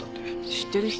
知ってる人？